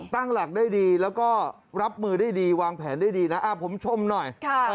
ตั้งหลักได้ดีแล้วก็รับมือได้ดีวางแผนได้ดีนะผมชมหน่อย